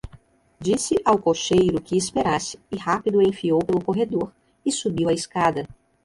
Disse ao cocheiro que esperasse, e rápido enfiou pelo corredor, e subiu a escada.